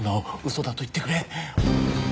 嘘だと言ってくれ！